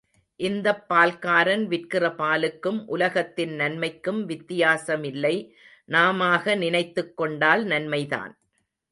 இந்தப் பால்காரன் விற்கிற பாலுக்கும், உலகத்தின் நன்மைக்கும் வித்தியாசமில்லை நாமாக நினைத்துக் கொண்டால் நன்மைதான்.